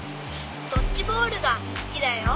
ドッジボールがすきだよ。